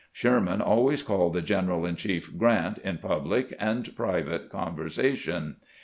Sherman always called the general in chief " Grant " in public and private conversation.